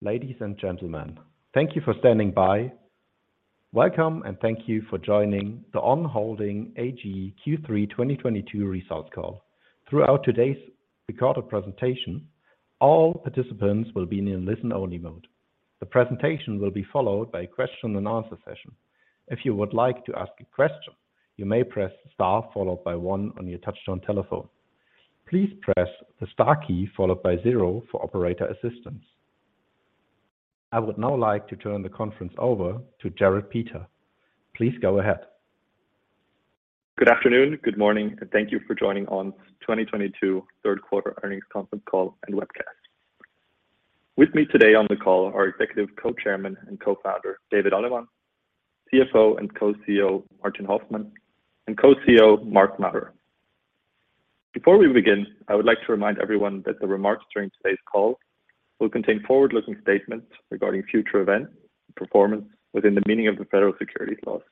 Ladies and gentlemen, thank you for standing by. Welcome and thank you for joining the On Holding AG Q3 2022 results call. Throughout today's recorded presentation, all participants will be in listen-only mode. The presentation will be followed by a question and answer session. If you would like to ask a question, you may press star followed by one on your touchtone telephone. Please press the star key followed by zero for operator assistance. I would now like to turn the conference over to Jerrit Peter. Please go ahead. Good afternoon, good morning, and thank you for joining On's 2022 third quarter earnings conference call and webcast. With me today on the call are Executive Co-Chairman and Co-Founder, David Allemann, CFO and Co-CEO, Martin Hoffmann, and Co-CEO, Marc Maurer. Before we begin, I would like to remind everyone that the remarks during today's call will contain forward-looking statements regarding future events and performance within the meaning of the federal securities laws.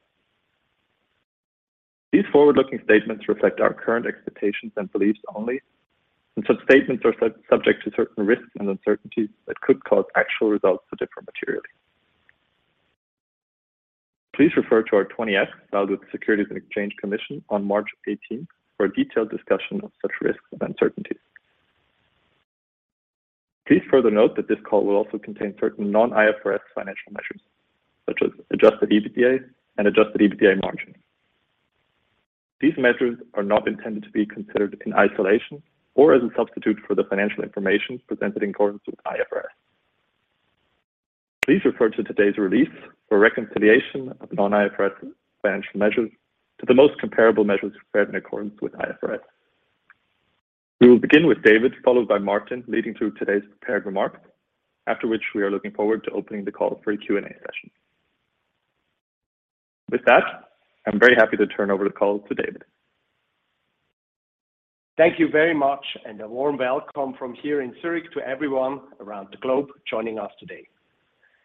These forward-looking statements reflect our current expectations and beliefs only, and such statements are subject to certain risks and uncertainties that could cause actual results to differ materially. Please refer to our 20-F filed with the Securities and Exchange Commission on March 18 for a detailed discussion of such risks and uncertainties. Please further note that this call will also contain certain non-IFRS financial measures, such as Adjusted EBITDA and Adjusted EBITDA margin. These measures are not intended to be considered in isolation or as a substitute for the financial information presented in accordance with IFRS. Please refer to today's release for reconciliation of non-IFRS financial measures to the most comparable measures prepared in accordance with IFRS. We will begin with David, followed by Martin, leading through today's prepared remarks, after which we are looking forward to opening the call for a Q&A session. With that, I'm very happy to turn over the call to David. Thank you very much, and a warm welcome from here in Zurich to everyone around the globe joining us today.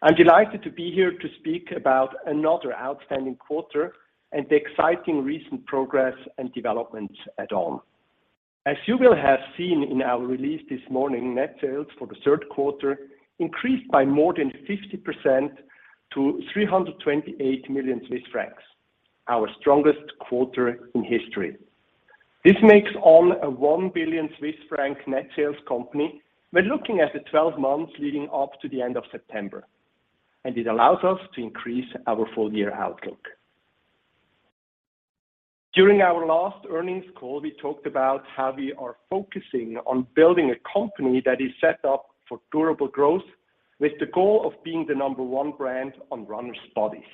I'm delighted to be here to speak about another outstanding quarter and the exciting recent progress and developments at On. As you will have seen in our release this morning, net sales for the third quarter increased by more than 50% to 328 million Swiss francs, our strongest quarter in history. This makes On a 1 billion Swiss Franc net sales company when looking at the 12 months leading up to the end of September, and it allows us to increase our full-year outlook. During our last earnings call, we talked about how we are focusing on building a company that is set up for durable growth with the goal of being the number one brand on runners' bodies.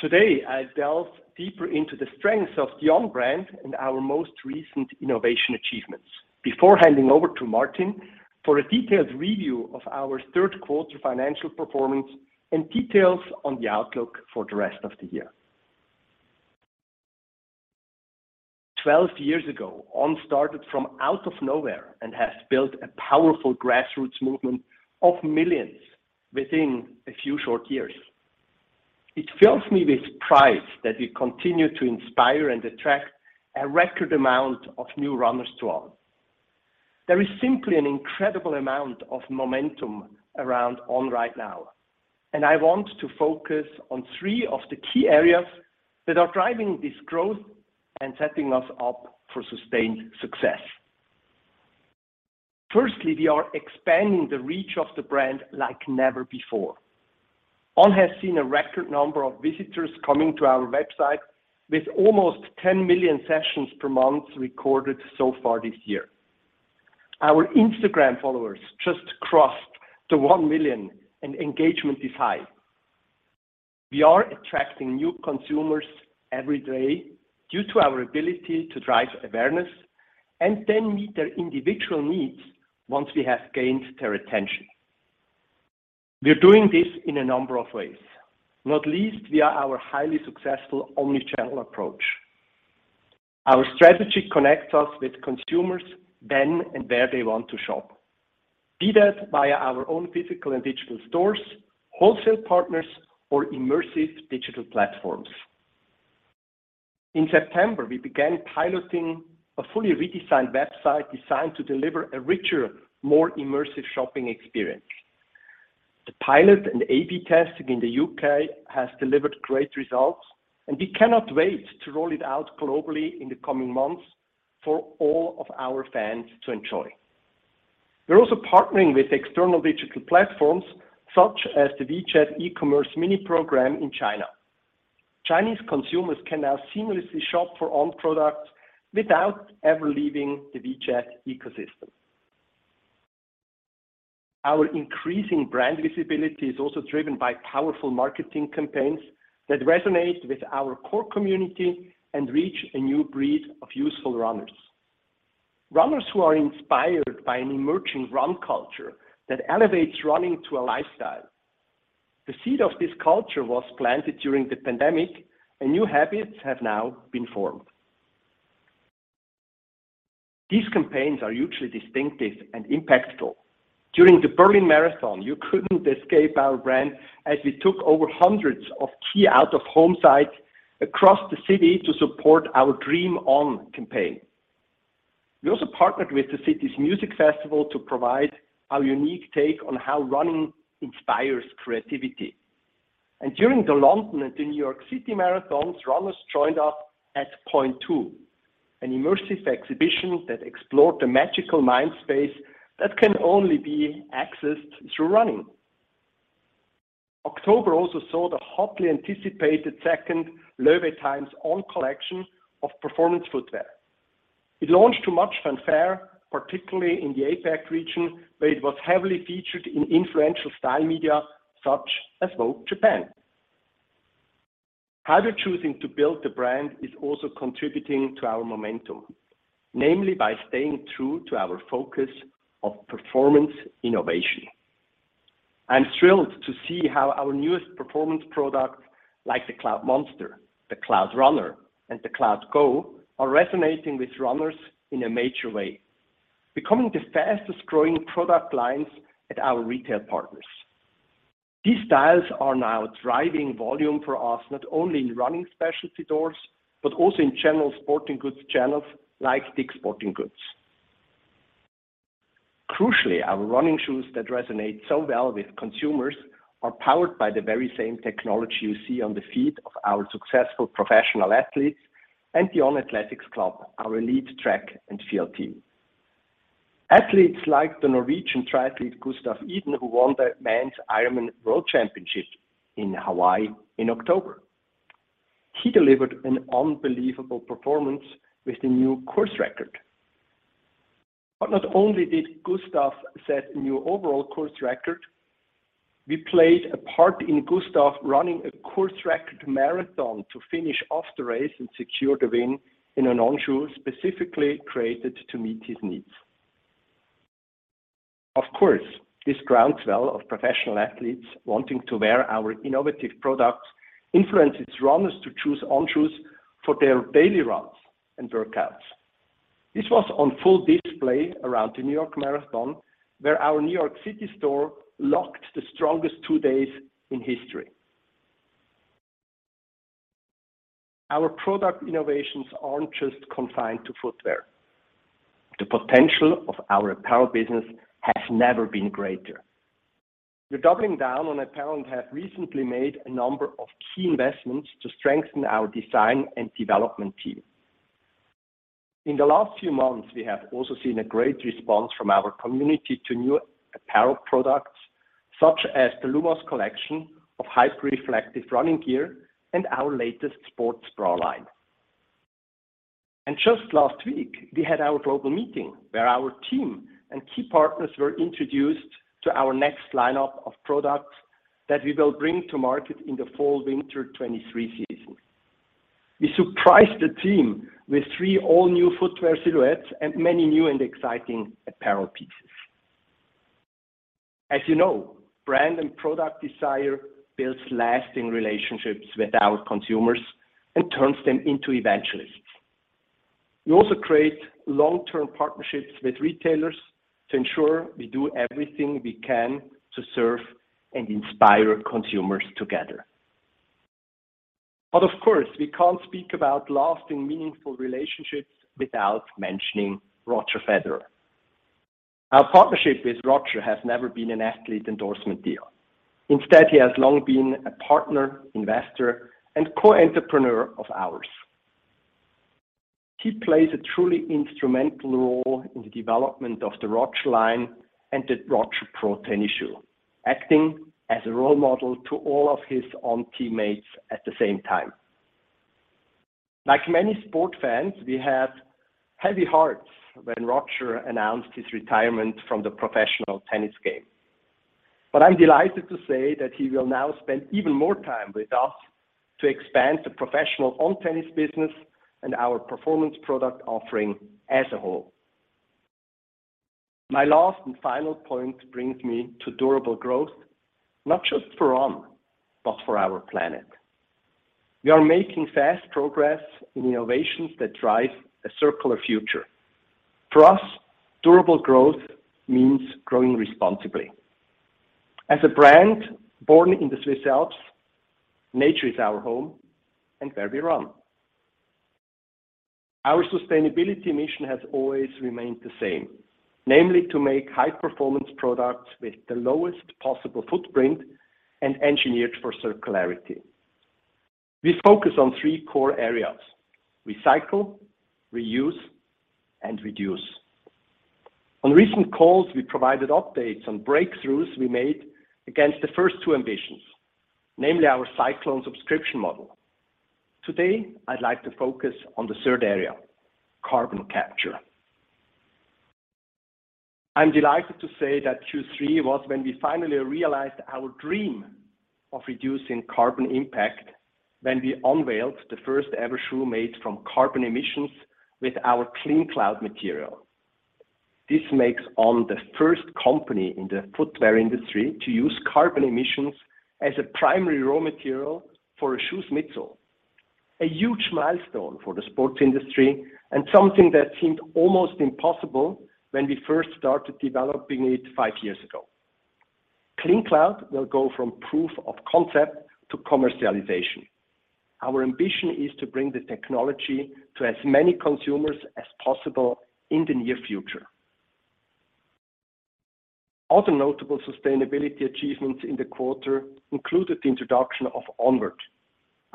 Today, I delve deeper into the strengths of the On brand and our most recent innovation achievements before handing over to Martin for a detailed review of our third quarter financial performance and details on the outlook for the rest of the year. 12 years ago, On started from out of nowhere and has built a powerful grassroots movement of millions within a few short years. It fills me with pride that we continue to inspire and attract a record amount of new runners to On. There is simply an incredible amount of momentum around On right now, and I want to focus on three of the key areas that are driving this growth and setting us up for sustained success. Firstly, we are expanding the reach of the brand like never before. On has seen a record number of visitors coming to our website with almost 10 million sessions per month recorded so far this year. Our Instagram followers just crossed to one million, and engagement is high. We are attracting new consumers every day due to our ability to drive awareness and then meet their individual needs once we have gained their attention. We are doing this in a number of ways, not least via our highly successful omni-channel approach. Our strategy connects us with consumers when and where they want to shop, be that via our own physical and digital stores, wholesale partners, or immersive digital platforms. In September, we began piloting a fully redesigned website designed to deliver a richer, more immersive shopping experience. The pilot and A/B testing in the UK has delivered great results, and we cannot wait to roll it out globally in the coming months for all of our fans to enjoy. We're also partnering with external digital platforms, such as the WeChat Mini Program in China. Chinese consumers can now seamlessly shop for On products without ever leaving the WeChat ecosystem. Our increasing brand visibility is also driven by powerful marketing campaigns that resonate with our core community and reach a new breed of youthful runners who are inspired by an emerging running culture that elevates running to a lifestyle. The seed of this culture was planted during the pandemic, and new habits have now been formed. These campaigns are hugely distinctive and impactful. During the Berlin Marathon, you couldn't escape our brand as we took over hundreds of key out-of-home sites across the city to support our Dream On campaign. We also partnered with the city's music festival to provide our unique take on how running inspires creativity. During the London and the New York City marathons, runners joined us at Point2, an immersive exhibition that explored the magical mind space that can only be accessed through running. October also saw the hotly anticipated second LOEWE x On collection of performance footwear. It launched to much fanfare, particularly in the APAC region, where it was heavily featured in influential style media such as Vogue Japan. How we're choosing to build the brand is also contributing to our momentum, namely by staying true to our focus of performance innovation. I'm thrilled to see how our newest performance products like the Cloudmonster, the Cloudrunner, and the Cloudgo are resonating with runners in a major way, becoming the fastest-growing product lines at our retail partners. These styles are now driving volume for us, not only in running specialty stores, but also in general sporting goods channels like DICK'S Sporting Goods. Crucially, our running shoes that resonate so well with consumers are powered by the very same technology you see on the feet of our successful professional athletes and the On Athletics Club, our elite track and field team. Athletes like the Norwegian triathlete Gustav Iden, who won the Men's IRONMAN World Championship in Hawaii in October. He delivered an unbelievable performance with a new course record. Not only did Gustav set a new overall course record, we played a part in Gustav running a course record marathon to finish off the race and secure the win in an On shoe specifically created to meet his needs. Of course, this groundswell of professional athletes wanting to wear our innovative products influences runners to choose On shoes for their daily runs and workouts. This was on full display around the New York Marathon, where our New York City store logged the strongest two days in history. Our product innovations aren't just confined to footwear. The potential of our apparel business has never been greater. We're doubling down on apparel and have recently made a number of key investments to strengthen our design and development team. In the last few months, we have also seen a great response from our community to new apparel products, such as the Lumos collection of high-reflective running gear and our latest sports bra line. Just last week, we had our global meeting where our team and key partners were introduced to our next lineup of products that we will bring to market in the fall/winter 2023 season. We surprised the team with three all-new footwear silhouettes and many new and exciting apparel pieces. As you know, brand and product desire builds lasting relationships with our consumers and turns them into evangelists. We also create long-term partnerships with retailers to ensure we do everything we can to serve and inspire consumers together. Of course, we can't speak about lasting, meaningful relationships without mentioning Roger Federer. Our partnership with Roger has never been an athlete endorsement deal. Instead, he has long been a partner, investor, and co-entrepreneur of ours. He plays a truly instrumental role in the development of the THE ROGER line and the THE ROGER Pro tennis shoe, acting as a role model to all of his On teammates at the same time. Like many sport fans, we had heavy hearts when Roger announced his retirement from the professional tennis game. I'm delighted to say that he will now spend even more time with us to expand the professional On tennis business and our performance product offering as a whole. My last and final point brings me to durable growth, not just for On, but for our planet. We are making fast progress in innovations that drive a circular future. For us, durable growth means growing responsibly. As a brand born in the Swiss Alps, nature is our home and where we run. Our sustainability mission has always remained the same, namely to make high-performance products with the lowest possible footprint and engineered for circularity. We focus on three core areas, recycle, reuse, and reduce. On recent calls, we provided updates on breakthroughs we made against the first two ambitions, namely our Cyclon subscription model. Today, I'd like to focus on the third area, carbon capture. I'm delighted to say that Q3 was when we finally realized our dream of reducing carbon impact when we unveiled the first-ever shoe made from carbon emissions with our CleanCloud material. This makes On the first company in the footwear industry to use carbon emissions as a primary raw material for a shoe's midsole. A huge milestone for the sports industry and something that seemed almost impossible when we first started developing it five years ago. CleanCloud will go from proof of concept to commercialization. Our ambition is to bring the technology to as many consumers as possible in the near future. Other notable sustainability achievements in the quarter included the introduction of Onward,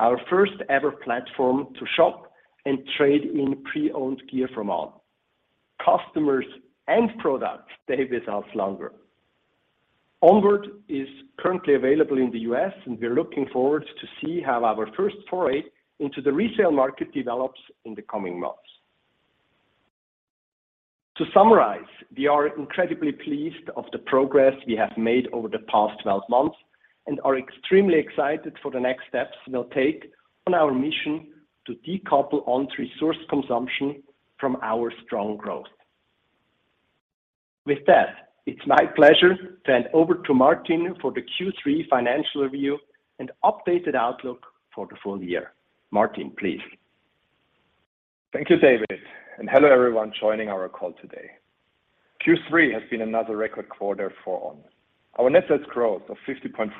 our first ever platform to shop and trade in pre-owned gear from On. Customers and products stay with us longer. Onward is currently available in the U.S., and we're looking forward to see how our first foray into the resale market develops in the coming months. To summarize, we are incredibly pleased of the progress we have made over the past 12 months and are extremely excited for the next steps we'll take on our mission to decouple On's resource consumption from our strong growth. With that, it's my pleasure to hand over to Martin for the Q3 financial review and updated outlook for the full year. Martin, please. Thank you, David, and hello, everyone joining our call today. Q3 has been another record quarter for On. Our net sales growth of 50.4%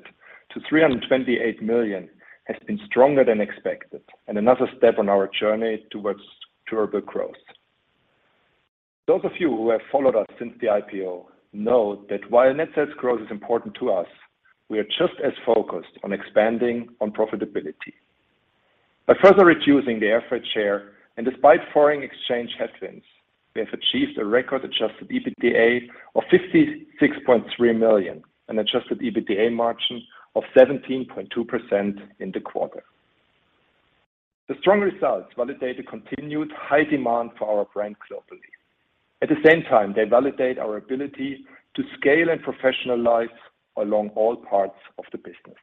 to 328 million has been stronger than expected and another step on our journey towards durable growth. Those of you who have followed us since the IPO know that while net sales growth is important to us, we are just as focused on expanding On profitability. By further reducing the air freight share and despite foreign exchange headwinds, we have achieved a record Adjusted EBITDA of 56.3 million and Adjusted EBITDA margin of 17.2% in the quarter. The strong results validate the continued high demand for our brand globally. At the same time, they validate our ability to scale and professionalize along all parts of the business.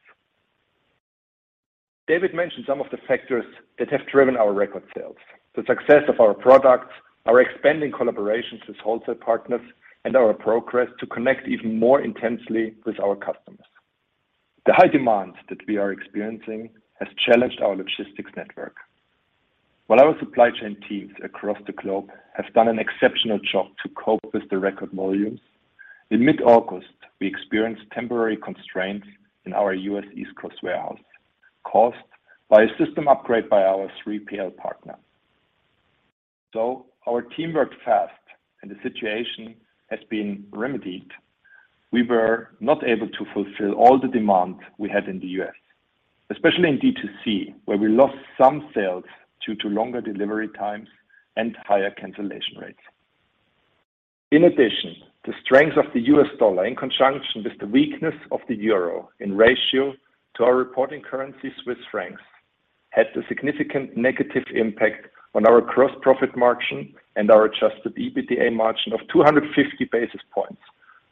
David mentioned some of the factors that have driven our record sales, the success of our products, our expanding collaborations with wholesale partners, and our progress to connect even more intensely with our customers. The high demand that we are experiencing has challenged our logistics network. While our supply chain teams across the globe have done an exceptional job to cope with the record volumes, in mid-August, we experienced temporary constraints in our U.S. East Coast warehouse caused by a system upgrade by our 3PL partner. Though our team worked fast and the situation has been remedied, we were not able to fulfill all the demand we had in the U.S., especially in D2C, where we lost some sales due to longer delivery times and higher cancellation rates. In addition, the strength of the US dollar in conjunction with the weakness of the euro in relation to our reporting currency Swiss francs had a significant negative impact on our gross profit margin and our Adjusted EBITDA margin of 250 basis points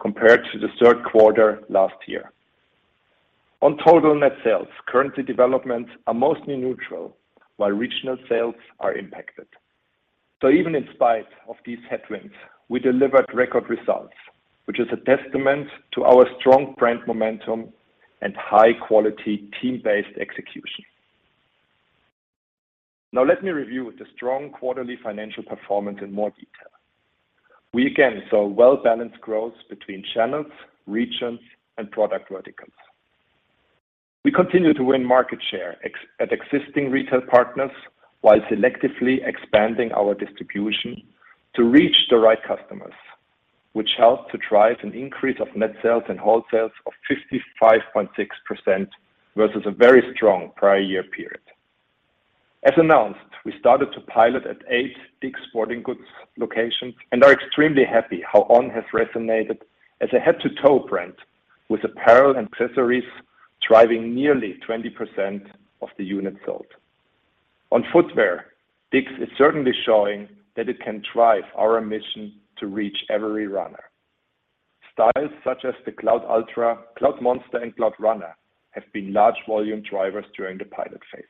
compared to the third quarter last year. On total net sales, currency developments are mostly neutral, while regional sales are impacted. Even in spite of these headwinds, we delivered record results, which is a testament to our strong brand momentum and high-quality team-based execution. Now let me review the strong quarterly financial performance in more detail. We again saw well-balanced growth between channels, regions, and product verticals. We continue to win market share at existing retail partners while selectively expanding our distribution to reach the right customers, which helped to drive an increase of net sales and wholesales of 55.6% versus a very strong prior year period. As announced, we started to pilot at 8 DICK'S Sporting Goods locations and are extremely happy how On has resonated as a head-to-toe brand with apparel and accessories driving nearly 20% of the units sold. On footwear, DICK'S is certainly showing that it can drive our mission to reach every runner. Styles such as the Cloudultra, Cloudmonster, and Cloudrunner have been large volume drivers during the pilot phase.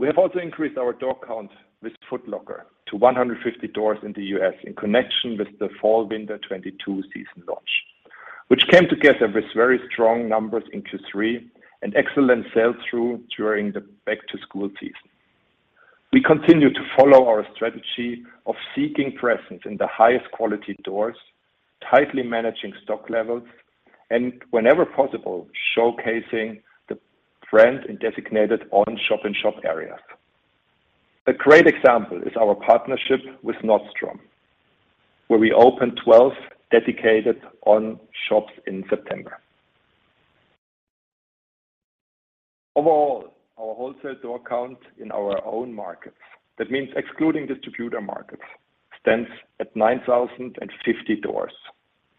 We have also increased our door count with Foot Locker to 150 doors in the U.S. in connection with the fall/winter 2022 season launch, which came together with very strong numbers in Q3 and excellent sales through during the back-to-school season. We continue to follow our strategy of seeking presence in the highest quality doors, tightly managing stock levels, and whenever possible, showcasing the brand in designated On shop-in-shop areas. A great example is our partnership with Nordstrom, where we opened 12 dedicated On shops in September. Overall, our wholesale door count in our own markets, that means excluding distributor markets, stands at 9,050 doors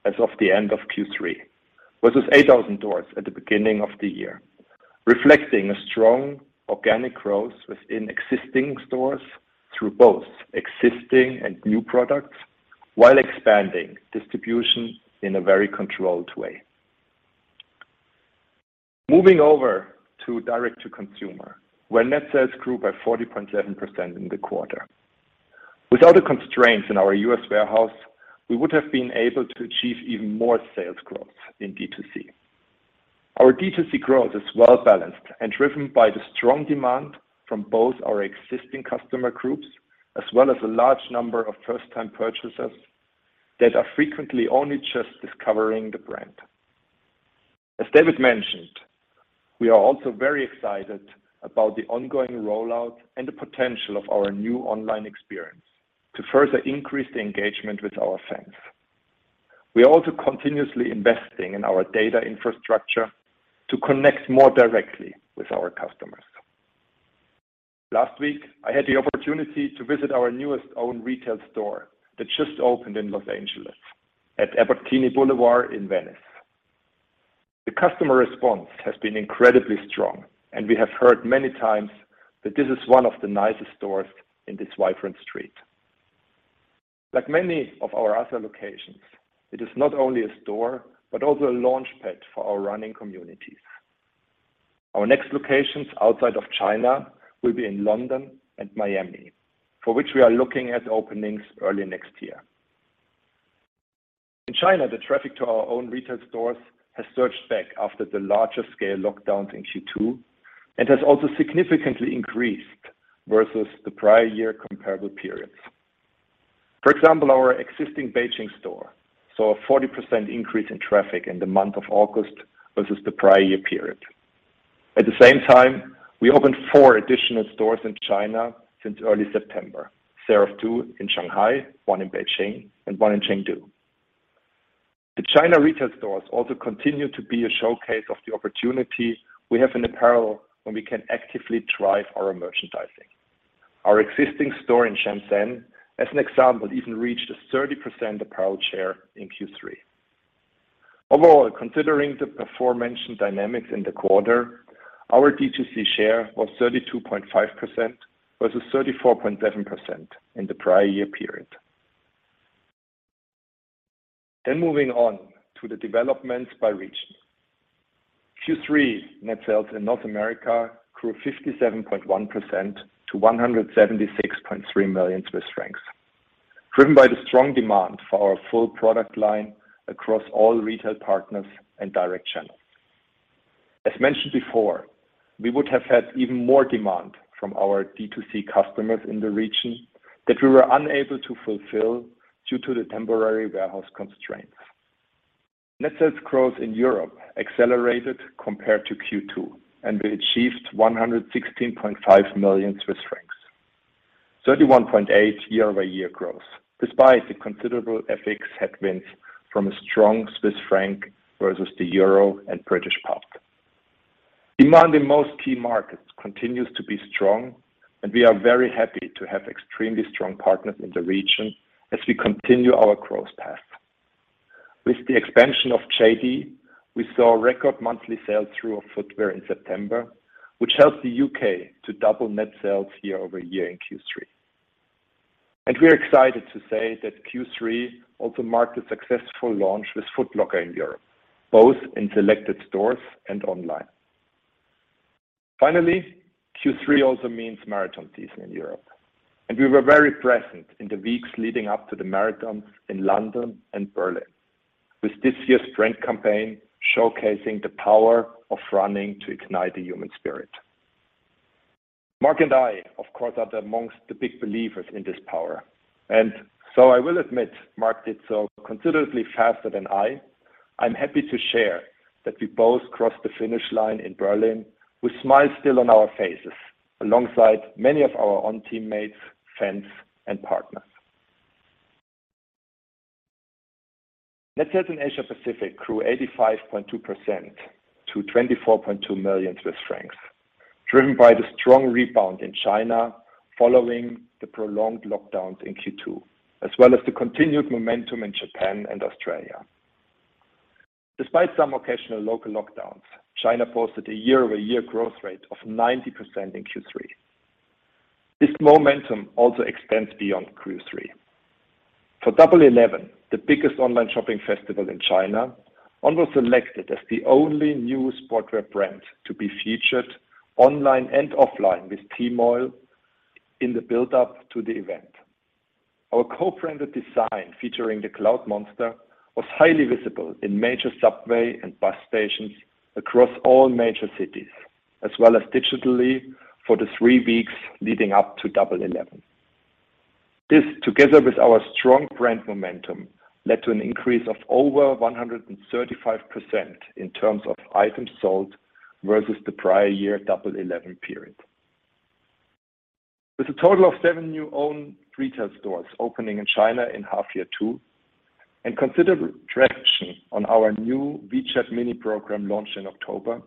as of the end of Q3, versus 8,000 doors at the beginning of the year, reflecting a strong organic growth within existing stores through both existing and new products while expanding distribution in a very controlled way. Moving over to direct-to-consumer, where net sales grew by 40.7% in the quarter. Without the constraints in our U.S. warehouse, we would have been able to achieve even more sales growth in D2C. Our D2C growth is well balanced and driven by the strong demand from both our existing customer groups as well as a large number of first-time purchasers that are frequently only just discovering the brand. As David mentioned, we are also very excited about the ongoing rollout and the potential of our new online experience to further increase the engagement with our fans. We are also continuously investing in our data infrastructure to connect more directly with our customers. Last week, I had the opportunity to visit our newest own retail store that just opened in Los Angeles at Abbott Kinney Boulevard in Venice. The customer response has been incredibly strong, and we have heard many times that this is one of the nicest stores in this vibrant street. Like many of our other locations, it is not only a store, but also a launchpad for our running communities. Our next locations outside of China will be in London and Miami, for which we are looking at openings early next year. In China, the traffic to our own retail stores has surged back after the larger scale lockdowns in Q2 and has also significantly increased versus the prior year comparable periods. For example, our existing Beijing store saw a 40% increase in traffic in the month of August versus the prior year period. At the same time, we opened four additional stores in China since early September, thereof two in Shanghai, one in Beijing, and one in Chengdu. The China retail stores also continue to be a showcase of the opportunity we have in apparel when we can actively drive our merchandising. Our existing store in Shenzhen, as an example, even reached a 30% apparel share in Q3. Overall, considering the aforementioned dynamics in the quarter, our D2C share was 32.5% versus 34.7% in the prior year period. Moving on to the developments by region. Q3 net sales in North America grew 57.1% to 176.3 million Swiss francs, driven by the strong demand for our full product line across all retail partners and direct channels. As mentioned before, we would have had even more demand from our D2C customers in the region that we were unable to fulfill due to the temporary warehouse constraints. Net sales growth in Europe accelerated compared to Q2, and we achieved 116.5 million Swiss francs, 31.8% year-over-year growth, despite the considerable FX headwinds from a strong Swiss franc versus the euro and British pound. Demand in most key markets continues to be strong and we are very happy to have extremely strong partners in the region as we continue our growth path. With the expansion of JD, we saw record monthly sales through our footwear in September, which helped the U.K. to double net sales year-over-year in Q3. We are excited to say that Q3 also marked the successful launch with Foot Locker in Europe, both in selected stores and online. Finally, Q3 also means marathon season in Europe, and we were very present in the weeks leading up to the marathon in London and Berlin. With this year's brand campaign showcasing the power of running to ignite the human spirit. Marc and I, of course, are amongst the big believers in this power, and so I will admit Marc did so considerably faster than I. I'm happy to share that we both crossed the finish line in Berlin with smiles still on our faces, alongside many of our On teammates, fans, and partners. Net sales in Asia-Pacific grew 85.2% to 24.2 million Swiss francs, driven by the strong rebound in China following the prolonged lockdowns in Q2, as well as the continued momentum in Japan and Australia. Despite some occasional local lockdowns, China posted a year-over-year growth rate of 90% in Q3. This momentum also extends beyond Q3. For Double Eleven, the biggest online shopping festival in China, On was selected as the only new sportswear brand to be featured online and offline with Tmall in the build-up to the event. Our co-branded design featuring the Cloudmonster was highly visible in major subway and bus stations across all major cities, as well as digitally for the three weeks leading up to Double Eleven. This, together with our strong brand momentum, led to an increase of over 135% in terms of items sold versus the prior year Double Eleven period. With a total of seven new own retail stores opening in China in H2 and considerable traction on our new WeChat Mini Program launch in October,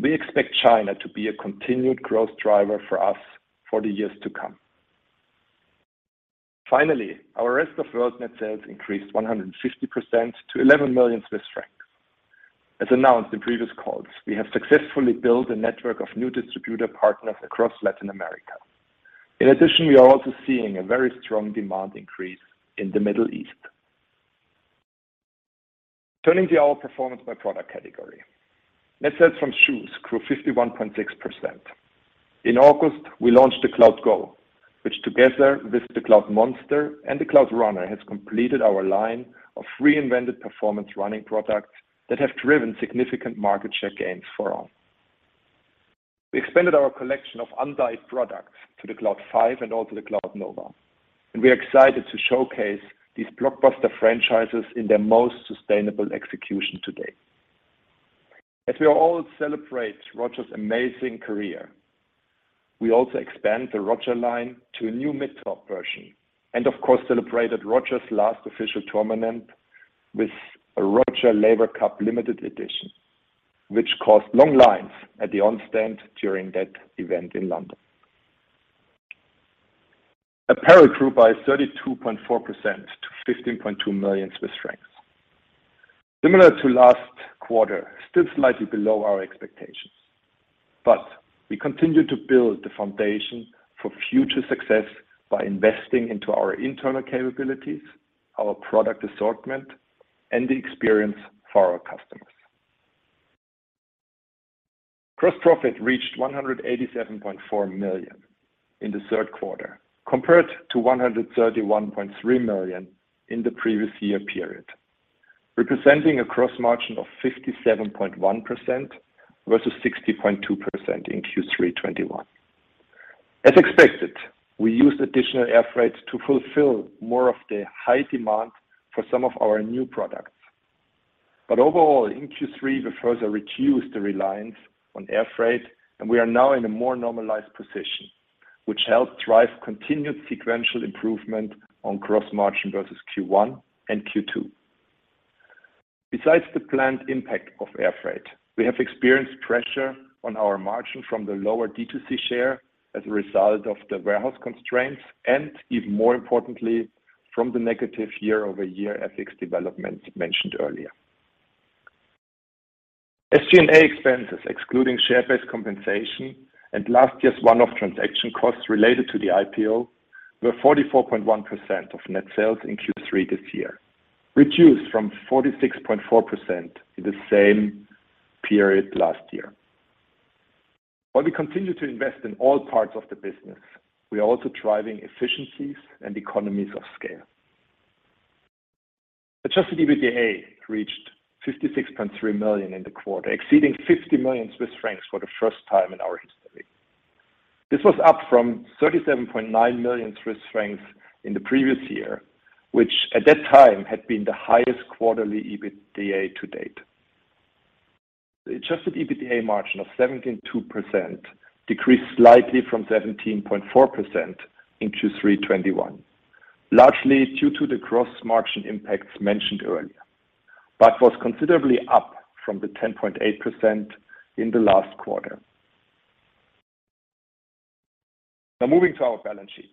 we expect China to be a continued growth driver for us for the years to come. Finally, our rest of world net sales increased 150% to 11 million Swiss francs. As announced in previous calls, we have successfully built a network of new distributor partners across Latin America. In addition, we are also seeing a very strong demand increase in the Middle East. Turning to our performance by product category. Net sales from shoes grew 51.6%. In August, we launched the Cloudgo, which together with the Cloudmonster and the Cloudrunner, has completed our line of reinvented performance running products that have driven significant market share gains for all. We expanded our collection of undyed products to the Cloud 5 and also the Cloudnova, and we are excited to showcase these blockbuster franchises in their most sustainable execution to date. As we all celebrate Roger's amazing career, we also expand the THE ROGER line to a new mid-top version, and of course celebrated Roger's last official tournament with a THE ROGER Laver Cup limited edition, which caused long lines at the On stand during that event in London. Apparel grew by 32.4% to 15.2 million Swiss francs. Similar to last quarter, still slightly below our expectations. We continue to build the foundation for future success by investing into our internal capabilities, our product assortment, and the experience for our customers. Gross profit reached 187.4 million in the third quarter, compared to 131.3 million in the previous year period, representing a gross margin of 57.1% versus 60.2% in Q3 2021. As expected, we used additional air freight to fulfill more of the high demand for some of our new products. Overall, in Q3, we further reduced the reliance on air freight, and we are now in a more normalized position, which helped drive continued sequential improvement on gross margin versus Q1 and Q2. Besides the planned impact of air freight, we have experienced pressure on our margin from the lower D2C share as a result of the warehouse constraints, and even more importantly, from the negative year-over-year FX developments mentioned earlier. SG&A expenses, excluding share-based compensation and last year's one-off transaction costs related to the IPO, were 44.1% of net sales in Q3 this year, reduced from 46.4% in the same period last year. While we continue to invest in all parts of the business, we are also driving efficiencies and economies of scale. Adjusted EBITDA reached 56.3 million in the quarter, exceeding 50 million Swiss francs for the first time in our history. This was up from 37.9 million Swiss francs in the previous year, which at that time had been the highest quarterly EBITDA to date. The Adjusted EBITDA margin of 17.2% decreased slightly from 17.4% in Q3 2021, largely due to the gross margin impacts mentioned earlier, but was considerably up from the 10.8% in the last quarter. Now moving to our balance sheet.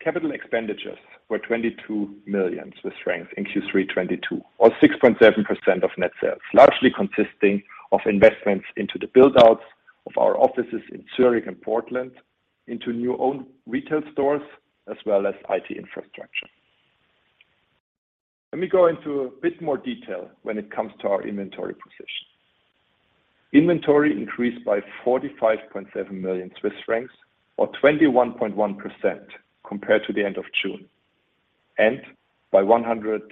Capital expenditures were 22 million Swiss francs in Q3 2022, or 6.7% of net sales, largely consisting of investments into the build-outs of our offices in Zurich and Portland into new owned retail stores as well as IT infrastructure. Let me go into a bit more detail when it comes to our inventory position. Inventory increased by 45.7 million Swiss francs or 21.1% compared to the end of June, and by 118.2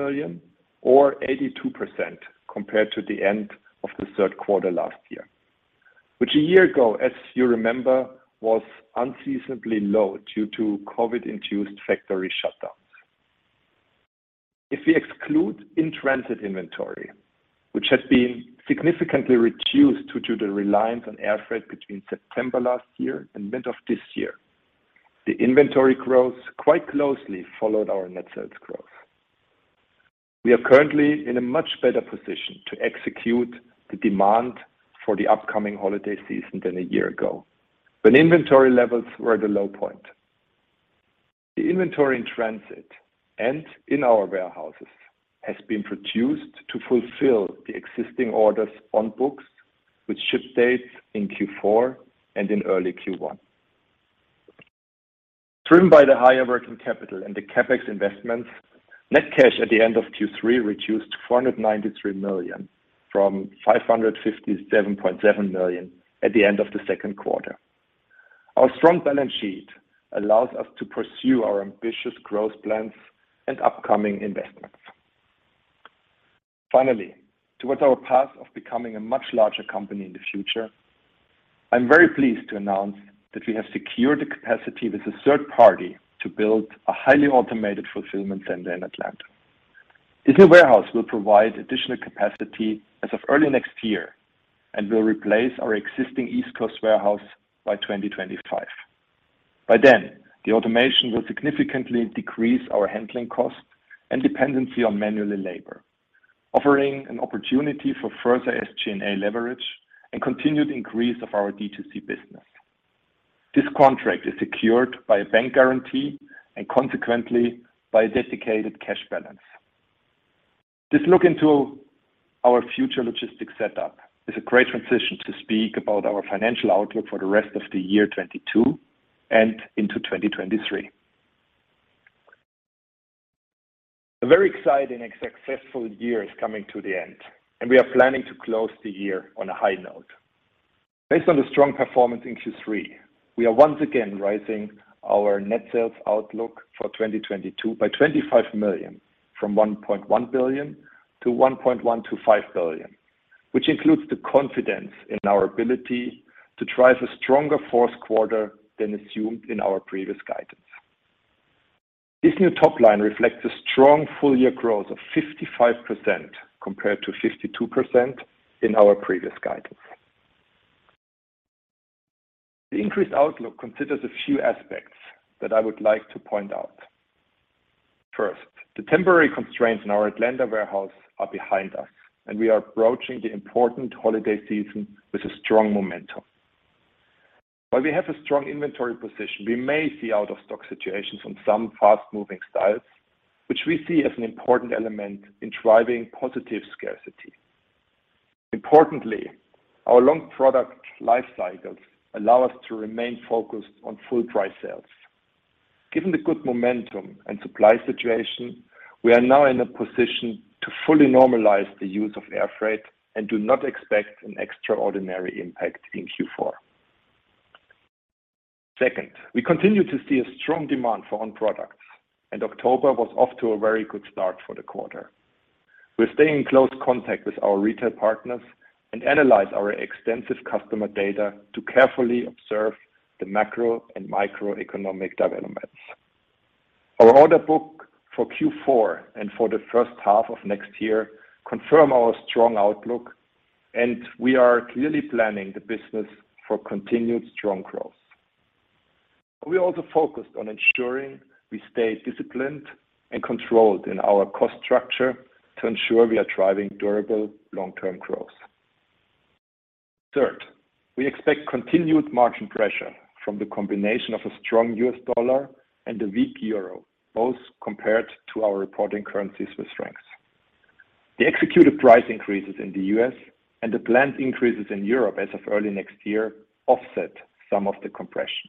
million or 82% compared to the end of the third quarter last year, which a year ago, as you remember, was unseasonably low due to COVID-induced factory shutdowns. If we exclude in-transit inventory, which has been significantly reduced due to the reliance on air freight between September last year and mid of this year, the inventory growth quite closely followed our net sales growth. We are currently in a much better position to execute the demand for the upcoming holiday season than a year ago, when inventory levels were at a low point. The inventory in transit and in our warehouses has been produced to fulfill the existing orders on books with ship dates in Q4 and in early Q1. Driven by the higher working capital and the CapEx investments, net cash at the end of Q3 reduced to 493 million from 557.7 million at the end of the second quarter. Our strong balance sheet allows us to pursue our ambitious growth plans and upcoming investments. Finally, towards our path of becoming a much larger company in the future, I'm very pleased to announce that we have secured the capacity with a third party to build a highly automated fulfillment center in Atlanta. This new warehouse will provide additional capacity as of early next year and will replace our existing East Coast warehouse by 2025. By then, the automation will significantly decrease our handling cost and dependency on manual labor, offering an opportunity for further SG&A leverage and continued increase of our D2C business. This contract is secured by a bank guarantee and consequently by a dedicated cash balance. This look into our future logistics setup is a great transition to speak about our financial outlook for the rest of the year 2022 and into 2023. A very exciting and successful year is coming to the end, and we are planning to close the year on a high note. Based on the strong performance in Q3, we are once again raising our net sales outlook for 2022 by 25 million, from 1.1 billion-1.125 billion. Which includes the confidence in our ability to drive a stronger fourth quarter than assumed in our previous guidance. This new top line reflects a strong full year growth of 55% compared to 52% in our previous guidance. The increased outlook considers a few aspects that I would like to point out. First, the temporary constraints in our Atlanta warehouse are behind us, and we are approaching the important holiday season with a strong momentum. While we have a strong inventory position, we may see out of stock situations on some fast-moving styles, which we see as an important element in driving positive scarcity. Importantly, our long product life cycles allow us to remain focused on full price sales. Given the good momentum and supply situation, we are now in a position to fully normalize the use of air freight and do not expect an extraordinary impact in Q4. Second, we continue to see a strong demand for On products, and October was off to a very good start for the quarter. We're staying in close contact with our retail partners and analyze our extensive customer data to carefully observe the macro and microeconomic developments. Our order book for Q4 and for the first half of next year confirm our strong outlook and we are clearly planning the business for continued strong growth. We also focused on ensuring we stay disciplined and controlled in our cost structure to ensure we are driving durable long-term growth. Third, we expect continued margin pressure from the combination of a strong US dollar and a weak euro, both compared to our reporting currencies with strengths. The executed price increases in the US and the planned increases in Europe as of early next year offset some of the compression.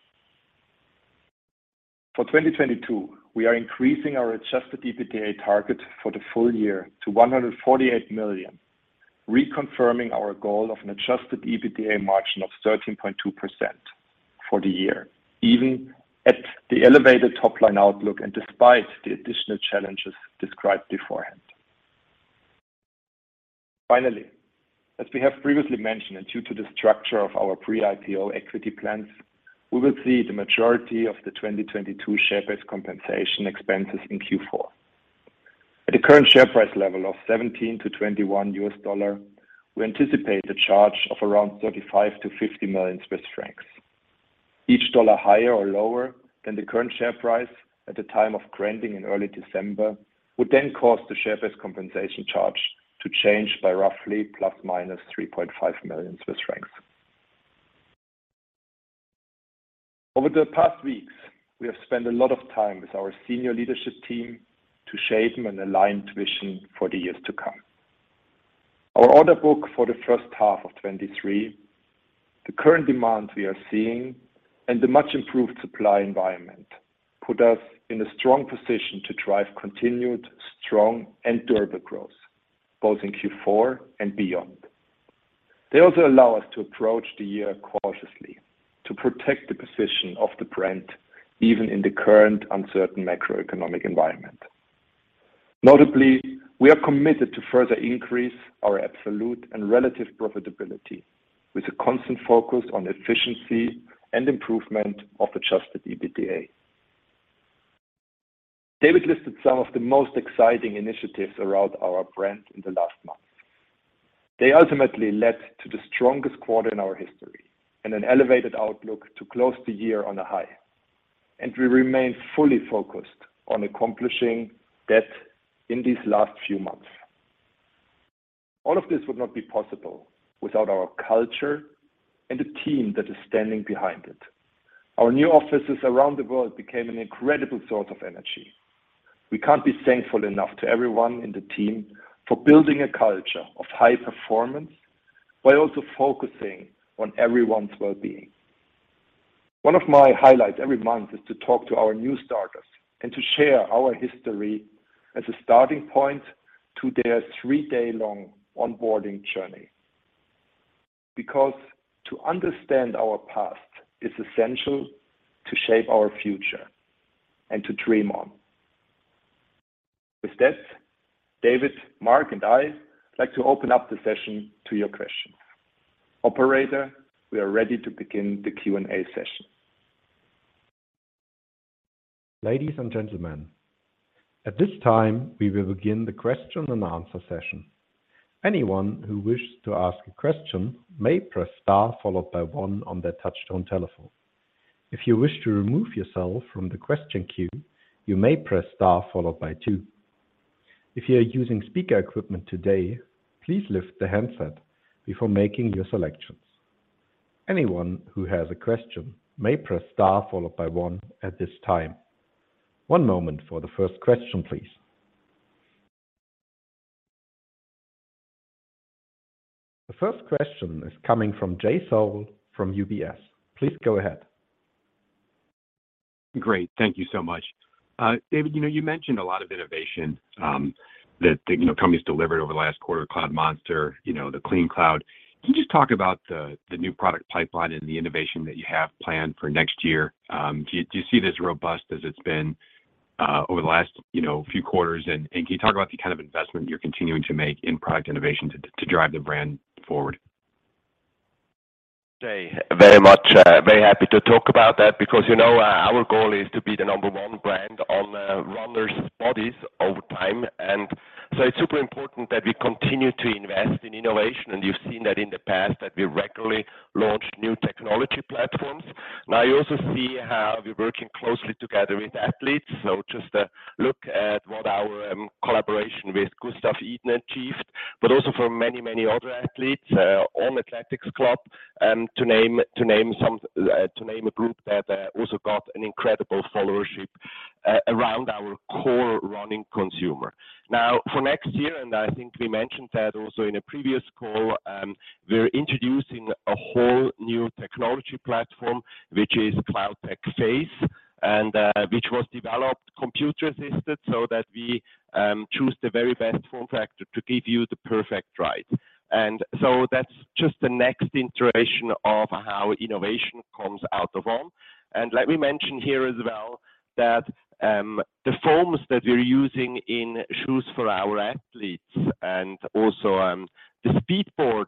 For 2022, we are increasing our Adjusted EBITDA target for the full year to 148 million, reconfirming our goal of an Adjusted EBITDA margin of 13.2% for the year, even at the elevated top line outlook and despite the additional challenges described beforehand. Finally, as we have previously mentioned, and due to the structure of our pre-IPO equity plans, we will see the majority of the 2022 share-based compensation expenses in Q4. At the current share price level of $17-$21, we anticipate a charge of around 35 million-50 million Swiss francs. Each dollar higher or lower than the current share price at the time of granting in early December would then cause the share base compensation charge to change by roughly ±3.5 million Swiss francs. Over the past weeks, we have spent a lot of time with our senior leadership team to shape and align vision for the years to come. Our order book for the first half of 2023, the current demand we are seeing and the much improved supply environment put us in a strong position to drive continued, strong and durable growth both in Q4 and beyond. They also allow us to approach the year cautiously to protect the position of the brand even in the current uncertain macroeconomic environment. Notably, we are committed to further increase our absolute and relative profitability with a constant focus on efficiency and improvement of Adjusted EBITDA. David listed some of the most exciting initiatives around our brand in the last month. They ultimately led to the strongest quarter in our history and an elevated outlook to close the year on a high. We remain fully focused on accomplishing that in these last few months. All of this would not be possible without our culture and the team that is standing behind it. Our new offices around the world became an incredible source of energy. We can't be thankful enough to everyone in the team for building a culture of high performance while also focusing on everyone's well-being. One of my highlights every month is to talk to our new starters and to share our history as a starting point to their three-day-long onboarding journey. Because to understand our past is essential to shape our future and to Dream On. With that, David, Marc, and I like to open up the session to your questions. Operator, we are ready to begin the Q&A session. Ladies and gentlemen, at this time, we will begin the question and answer session. Anyone who wishes to ask a question may press star followed by one on their touch-tone telephone. If you wish to remove yourself from the question queue, you may press star followed by two. If you are using speaker equipment today, please lift the handset before making your selections. Anyone who has a question may press star followed by one at this time. One moment for the first question, please. The first question is coming from Jay Sole from UBS. Please go ahead. Great. Thank you so much. David, you know, you mentioned a lot of innovation, that, you know, the company's delivered over the last quarter, Cloudmonster, you know, the CleanCloud. Can you just talk about the new product pipeline and the innovation that you have planned for next year? Do you see it as robust as it's been over the last, you know, few quarters? Can you talk about the kind of investment you're continuing to make in product innovation to drive the brand forward? Jay, very much, very happy to talk about that because, you know, our goal is to be the number one brand on runners' bodies over time. It's super important that we continue to invest in innovation, and you've seen that in the past, that we regularly launch new technology platforms. Now, you also see how we're working closely together with athletes, so just look at what our collaboration with Gustav Iden achieved, but also for many, many other athletes, On Athletics Club to name a group that also got an incredible followership around our core running consumer. Now, for next year, and I think we mentioned that also in a previous call, we're introducing a whole new technology platform, which is CloudTec Phase, and, which was developed computer-assisted so that we, choose the very best form factor to give you the perfect ride. That's just the next iteration of how innovation comes out of On. Let me mention here as well that, the foams that we're using in shoes for our athletes and also, the Speedboard,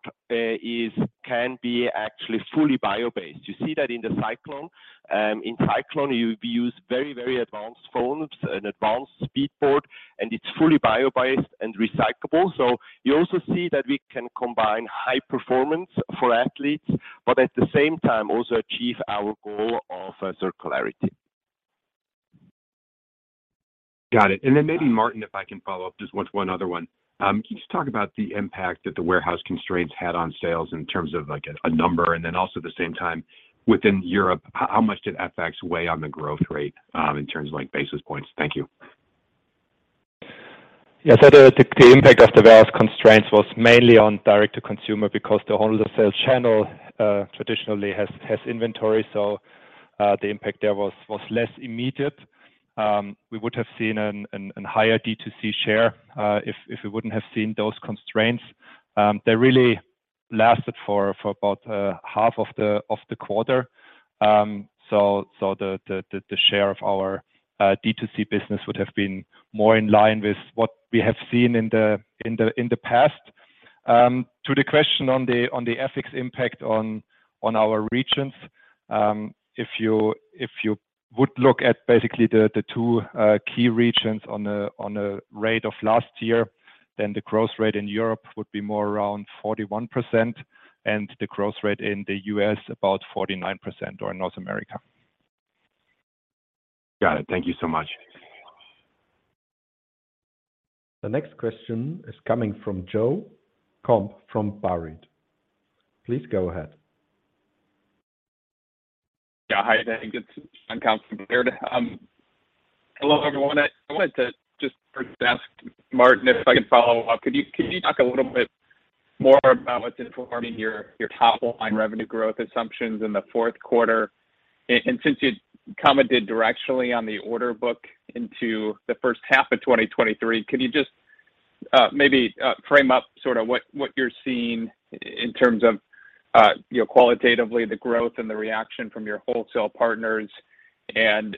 can be actually fully bio-based. You see that in the Cyclon. In Cyclon, we've used very, very advanced foams and advanced Speedboard, and it's fully bio-based and recyclable. You also see that we can combine high performance for athletes, but at the same time also achieve our goal of, circularity. Got it. Maybe Martin, if I can follow up just with one other one. Can you just talk about the impact that the warehouse constraints had on sales in terms of, like, a number, and then also at the same time, within Europe, how much did FX weigh on the growth rate, in terms of like basis points? Thank you. Yes. The impact of the warehouse constraints was mainly on direct to consumer because the wholesaler sales channel traditionally has inventory, so the impact there was less immediate. We would have seen a higher D2C share if we wouldn't have seen those constraints. They really lasted for about half of the quarter. The share of our D2C business would have been more in line with what we have seen in the past. To the question on the FX impact on our regions, if you would look at basically the two key regions on a rate of last year, then the growth rate in Europe would be more around 41%, and the growth rate in the US about 49%, or North America. Got it. Thank you so much. The next question is coming from Joe Komp from Baird. Please go ahead. Yeah. uncertain from Baird. Hello, everyone. I wanted to just first ask Martin if I can follow up. Could you talk a little bit more about what's informing your top-line revenue growth assumptions in the fourth quarter? And since you commented directionally on the order book into the first half of 2023, can you just maybe frame up sort of what you're seeing in terms of you know, qualitatively the growth and the reaction from your wholesale partners and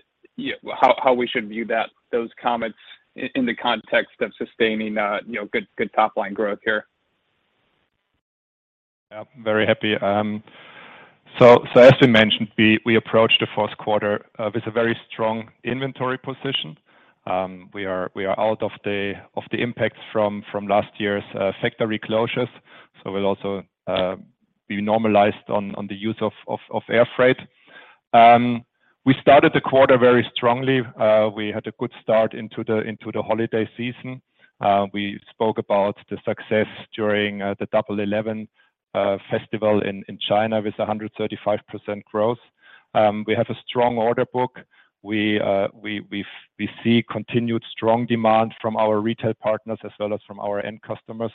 how we should view those comments in the context of sustaining you know, good top-line growth here? Yeah. Very happy. As we mentioned, we approached the fourth quarter with a very strong inventory position. We are out of the impacts from last year's factory closures, so we'll also be normalized on the use of air freight. We started the quarter very strongly. We had a good start into the holiday season. We spoke about the success during the Double Eleven festival in China with 135% growth. We have a strong order book. We see continued strong demand from our retail partners as well as from our end customers.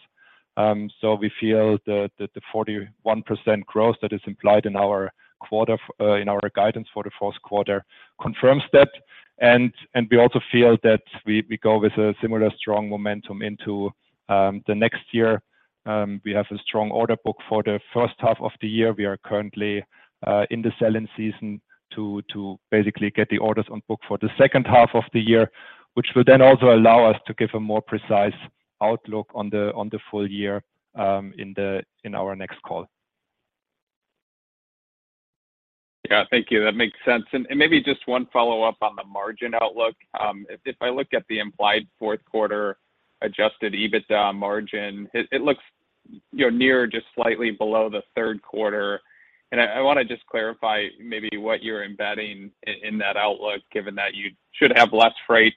We feel the 41% growth that is implied in our guidance for the fourth quarter confirms that. We also feel that we go with a similar strong momentum into the next year. We have a strong order book for the first half of the year. We are currently in the selling season to basically get the orders on book for the second half of the year, which will then also allow us to give a more precise outlook on the full year in our next call. Yeah. Thank you. That makes sense. Maybe just one follow-up on the margin outlook. If I look at the implied fourth quarter Adjusted EBITDA margin, it looks, you know, near or just slightly below the third quarter. I wanna just clarify maybe what you're embedding in that outlook, given that you should have less freight,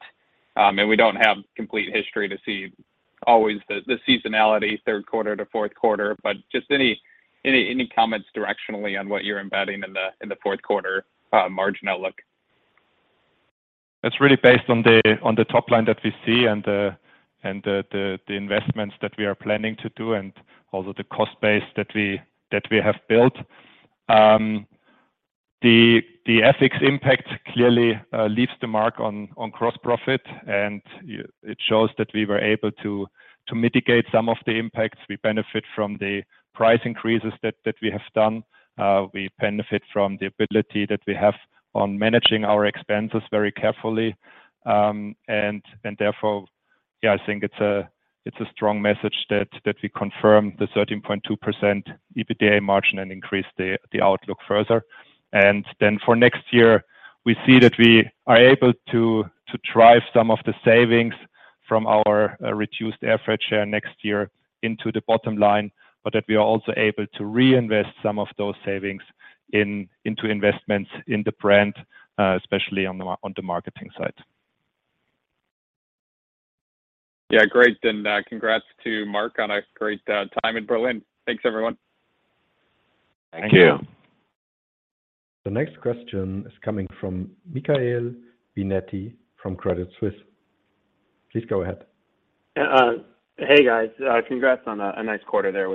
and we don't have complete history to see always the seasonality third quarter to fourth quarter. Just any comments directionally on what you're embedding in the fourth quarter margin outlook? That's really based on the on the top line that we see and the investments that we are planning to do and also the cost base that we have built. The FX impact clearly leaves the mark on gross profit, and it shows that we were able to mitigate some of the impacts. We benefit from the price increases that we have done. We benefit from the ability that we have in managing our expenses very carefully. Therefore, yeah, I think it's a strong message that we confirm the 13.2% EBITDA margin and increase the outlook further. For next year, we see that we are able to drive some of the savings from our reduced air freight share next year into the bottom line, but that we are also able to reinvest some of those savings into investments in the brand, especially on the marketing side. Yeah. Great. Congrats to Marc on a great time in Berlin. Thanks, everyone. Thank you. The next question is coming from Michael Binetti from Credit Suisse. Please go ahead. Hey, guys. Congrats on a nice quarter there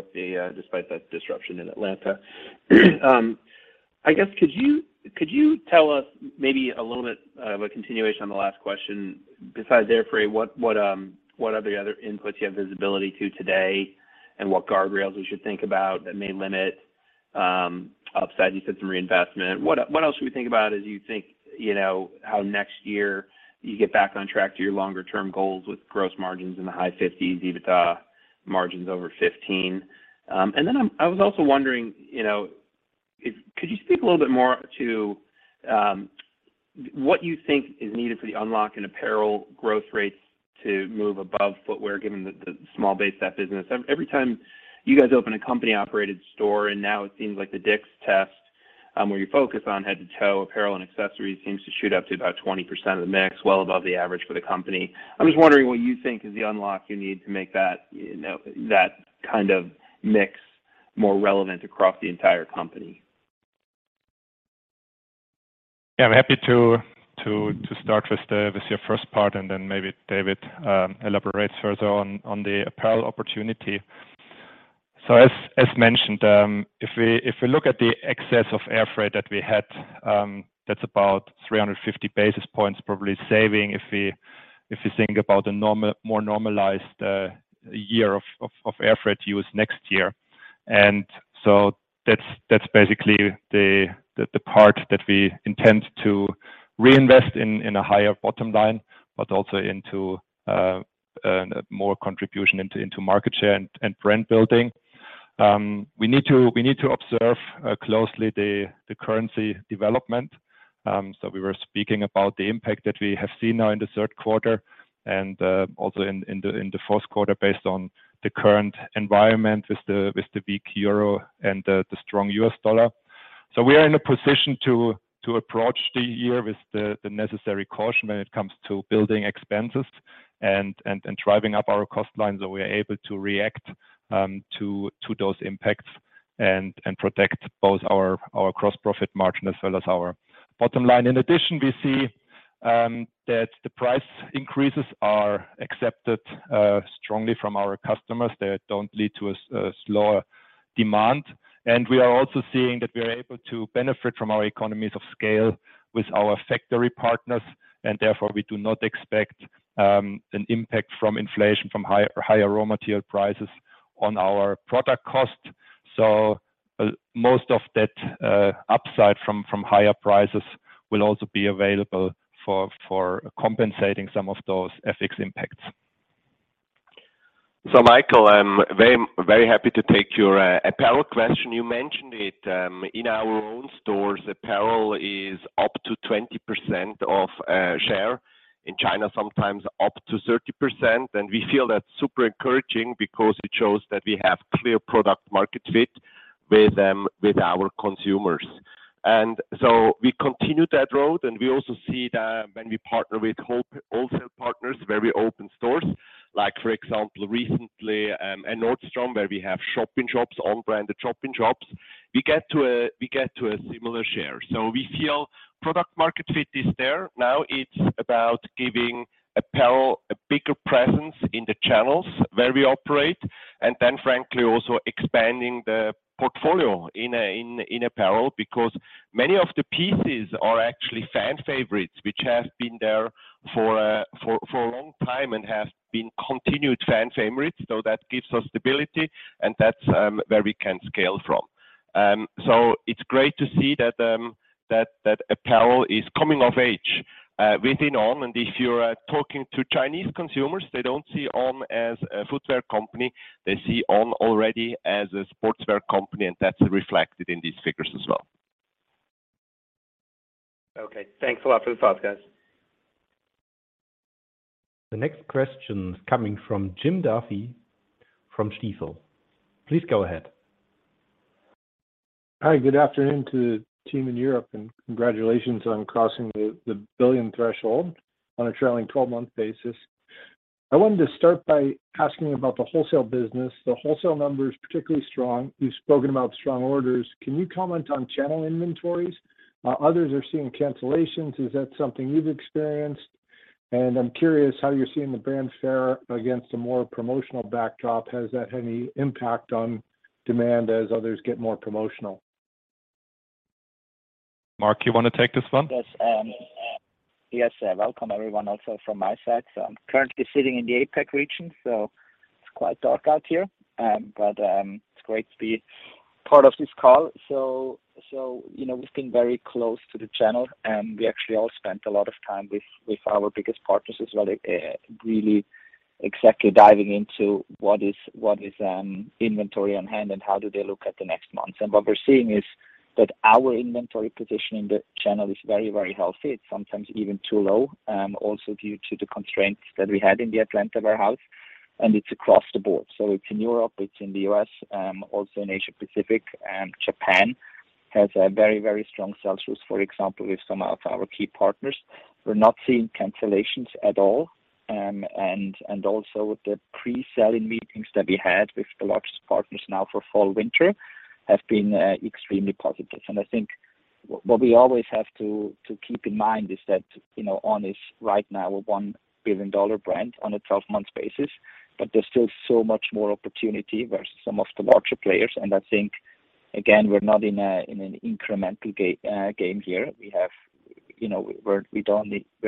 despite that disruption in Atlanta. I guess could you tell us maybe a little bit of a continuation on the last question besides air freight, what other inputs you have visibility to today and what guardrails we should think about that may limit upside? You said some reinvestment. What else should we think about as you think, you know, how next year you get back on track to your longer term goals with gross margins in the high 50s%, EBITDA margins over 15%? I was also wondering, you know, if could you speak a little bit more to what you think is needed for the unlock in apparel growth rates to move above footwear, given the small base of that business. Every time you guys open a company-operated store, and now it seems like the DICK'S test, where you focus on head-to-toe apparel and accessories seems to shoot up to about 20% of the mix, well above the average for the company. I'm just wondering what you think is the unlock you need to make that, you know, that kind of mix more relevant across the entire company. Yeah. I'm happy to start with your first part, and then maybe David Allemann elaborates further on the apparel opportunity. As mentioned, if we look at the excess of air freight that we had, that's about 350 basis points probably saving if we think about the more normalized year of air freight use next year. That's basically the part that we intend to reinvest in a higher bottom line, but also into more contribution into market share and brand building. We need to observe closely the currency development. We were speaking about the impact that we have seen now in the third quarter and also in the fourth quarter based on the current environment with the weak euro and the strong US dollar. We are in a position to approach the year with the necessary caution when it comes to building expenses and driving up our cost lines, so we are able to react to those impacts and protect both our gross profit margin as well as our bottom line. In addition, we see that the price increases are accepted strongly from our customers. They don't lead to a slower demand. We are also seeing that we are able to benefit from our economies of scale with our factory partners, and therefore, we do not expect an impact from inflation from higher raw material prices on our product cost. Most of that upside from higher prices will also be available for compensating some of those FX impacts. Michael, I'm very, very happy to take your apparel question. You mentioned it. In our own stores, apparel is up to 20% of share. In China, sometimes up to 30%. We feel that's super encouraging because it shows that we have clear product market fit with our consumers. We continue that road, and we also see that when we partner with wholesale partners where we open stores, like for example, recently, at Nordstrom, where we have shop-in-shops, On-branded shop-in-shops, we get to a similar share. We feel product market fit is there. Now it's about giving apparel a bigger presence in the channels where we operate. Frankly, also expanding the portfolio in apparel because many of the pieces are actually fan favorites, which have been there for a long time and have been continued fan favorites. That gives us stability, and that's where we can scale from. It's great to see that apparel is coming of age within On. If you're talking to Chinese consumers, they don't see On as a footwear company. They see On already as a sportswear company, and that's reflected in these figures as well. Okay. Thanks a lot for the thoughts, guys. The next question is coming from Jim Duffy from Stifel. Please go ahead. Hi. Good afternoon to the team in Europe, and congratulations on crossing the 1 billion threshold on a trailing 12-month basis. I wanted to start by asking about the wholesale business. The wholesale number is particularly strong. You've spoken about strong orders. Can you comment on channel inventories? Others are seeing cancellations. Is that something you've experienced? I'm curious how you're seeing the brand fare against a more promotional backdrop. Has that any impact on demand as others get more promotional? Marc, you wanna take this one? Yes. Yes, welcome everyone also from my side. I'm currently sitting in the APAC region, so it's quite dark out here. It's great to be part of this call. You know, we've been very close to the channel, and we actually all spent a lot of time with our biggest partners as well, really exactly diving into what is inventory on hand and how do they look at the next months. What we're seeing is that our inventory position in the channel is very, very healthy. It's sometimes even too low, also due to the constraints that we had in the Atlanta warehouse, and it's across the board. It's in Europe, it's in the U.S., also in Asia-Pacific, and Japan has a very strong sales growth, for example, with some of our key partners. We're not seeing cancellations at all. Also the pre-selling meetings that we had with the largest partners now for fall/winter have been extremely positive. I think what we always have to keep in mind is that, you know, On is right now a 1 billion dollar brand on a 12-month basis, but there's still so much more opportunity versus some of the larger players. I think, again, we're not in an incremental game here. You know, we're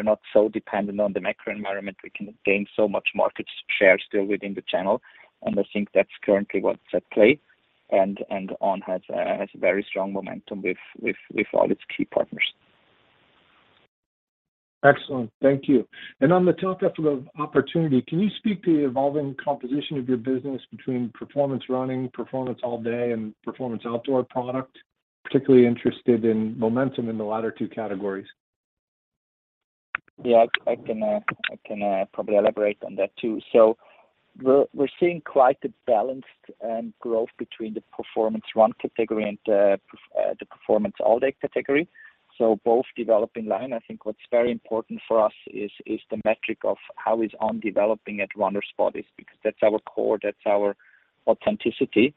not so dependent on the macro environment. We can gain so much market share still within the channel, and I think that's currently what's at play, and On has very strong momentum with all its key partners. Excellent. Thank you. On the topic of opportunity, can you speak to the evolving composition of your business between performance running, performance all day, and performance outdoor product? Particularly interested in momentum in the latter two categories. Yeah. I can probably elaborate on that too. We're seeing quite a balanced growth between the performance run category and the performance all day category, both developing line. I think what's very important for us is the metric of how On is developing at run or sport because that's our core, that's our authenticity.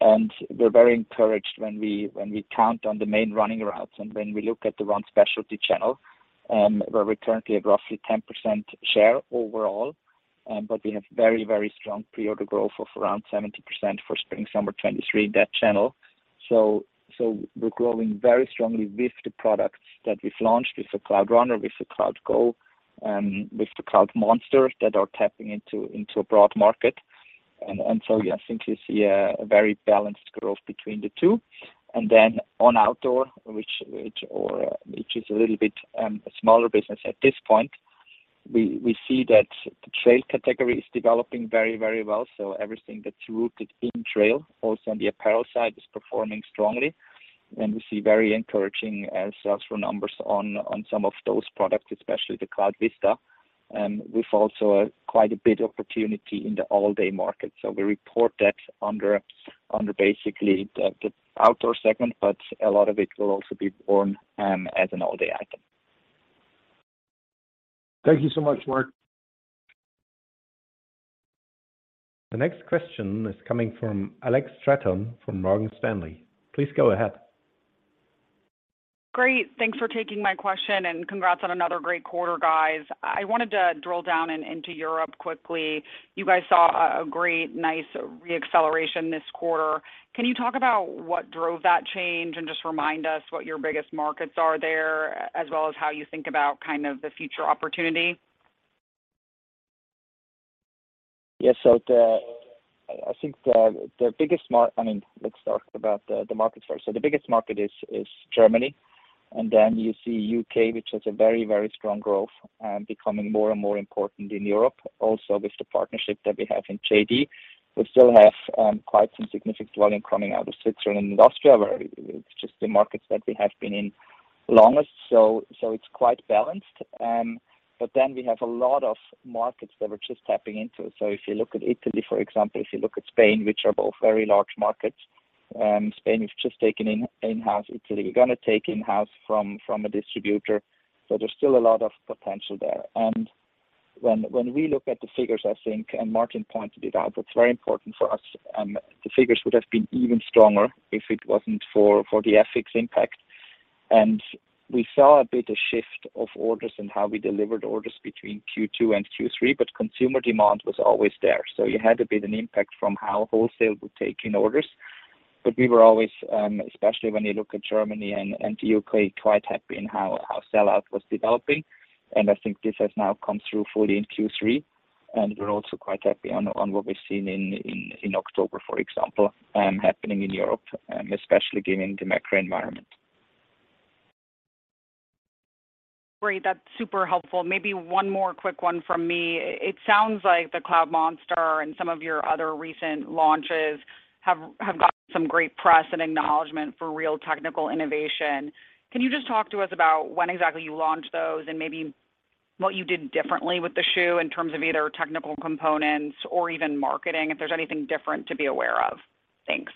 We're very encouraged when we count on the main running routes and when we look at the run specialty channel, where we're currently at roughly 10% share overall, but we have very, very strong pre-order growth of around 70% for spring/summer 2023 in that channel. We're growing very strongly with the products that we've launched with the Cloudrunner, with the Cloudgo, with the Cloudmonster that are tapping into a broad market. I think you see a very balanced growth between the two. On outdoor, which is a little bit a smaller business at this point, we see that the trail category is developing very well. Everything that's rooted in trail, also on the apparel side, is performing strongly. We see very encouraging sales for numbers on some of those products, especially the Cloudvista, with also quite a bit opportunity in the all-day market. We report that under basically the outdoor segment, but a lot of it will also be worn as an all-day item. Thank you so much, Marc. The next question is coming from Alex Straton from Morgan Stanley. Please go ahead. Great. Thanks for taking my question, and congrats on another great quarter, guys. I wanted to drill down into Europe quickly. You guys saw a great, nice re-acceleration this quarter. Can you talk about what drove that change and just remind us what your biggest markets are there as well as how you think about kind of the future opportunity? Yes. I mean, let's talk about the markets first. The biggest market is Germany, and then you see U.K., which has a very strong growth, becoming more and more important in Europe. Also with the partnership that we have in JD. We still have quite some significant volume coming out of Switzerland and Austria, where it's just the markets that we have been in longest. It's quite balanced. We have a lot of markets that we're just tapping into. If you look at Italy, for example, if you look at Spain, which are both very large markets, Spain we've just taken in-house. Italy we're gonna take in-house from a distributor. There's still a lot of potential there. When we look at the figures, I think, and Martin pointed it out, what's very important for us, the figures would have been even stronger if it wasn't for the FX impact. We saw a bit of shift of orders and how we delivered orders between Q2 and Q3, but consumer demand was always there. You had a bit of an impact from how wholesale would take in orders. We were always, especially when you look at Germany and U.K., quite happy in how our sellout was developing. I think this has now come through fully in Q3, and we're also quite happy on what we've seen in October, for example, happening in Europe, especially given the macro environment. Great. That's super helpful. Maybe one more quick one from me. It sounds like the Cloudmonster and some of your other recent launches have gotten some great press and acknowledgment for real technical innovation. Can you just talk to us about when exactly you launched those and maybe what you did differently with the shoe in terms of either technical components or even marketing, if there's anything different to be aware of? Thanks.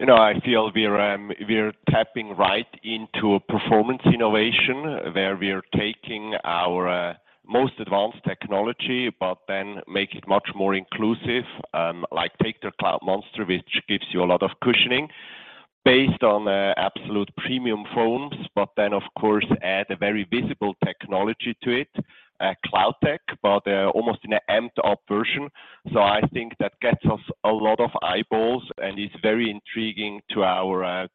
You know, I feel we're tapping right into a performance innovation where we are taking our most advanced technology, but then make it much more inclusive. Like take the Cloudmonster, which gives you a lot of cushioning based on absolute premium foams. Of course, add a very visible technology to it, CloudTec, but almost in an amped up version. I think that gets us a lot of eyeballs, and it's very intriguing to our